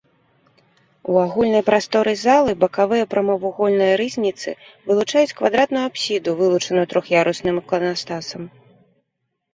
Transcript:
У агульнай прасторы залы бакавыя прамавугольныя рызніцы вылучаюць квадратную апсіду, вылучаную трох'ярусным іканастасам.